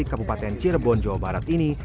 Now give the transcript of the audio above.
kabupaten cirebon jawa barat ini